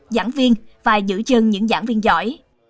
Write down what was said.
và giữ chân những giảng viên giỏi